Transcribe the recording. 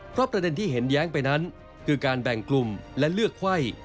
เพราะประเด็นที่เห็นแย้งไปนั้นคือการแบ่งกลุ่มและเลือกไข้